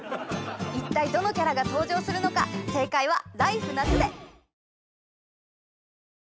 一体どのキャラが登場するのか正解は「ＬＩＦＥ！夏」で！